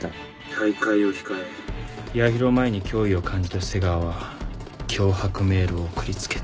大会を控え八尋舞に脅威を感じた瀬川は脅迫メールを送りつけた。